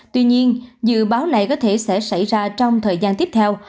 tuy nhiên dự báo này có thể sẽ xảy ra trong thời gian tiếp theo